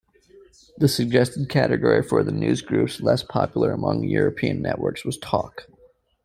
The suggested category for the newsgroups less popular among European networks was talk.